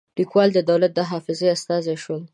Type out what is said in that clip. لیکوال د دولت د حافظې استازي شول.